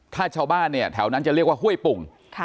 ถ้าชาวบ้านเนี่ยแถวนั้นจะเรียกว่าห้วยปุ่ง